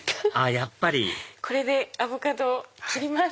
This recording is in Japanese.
やっぱりこれでアボカドを切ります。